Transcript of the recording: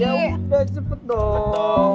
ya udah cepet dong